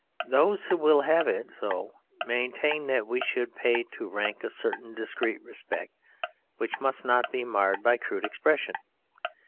Those who will have it so maintain that we should pay to rank a certain discreet respect which must not be marred by crude expression.